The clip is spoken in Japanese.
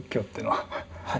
はい。